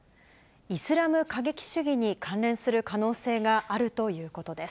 イスラム過激主義に関連する可能性があるということです。